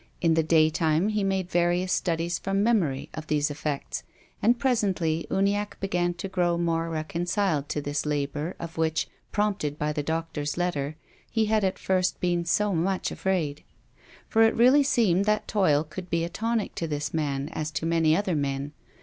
In the daytime he made various studies from memory of these effects. And presently Uniacke began to grow more reconciled to this labour of wliich — prompted by the doctor's letter — he had at first been so much afraid. For it really seemed that toil could be a tonic to this man as to many other men.